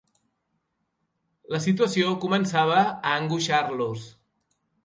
La situació començava a angoixar-los.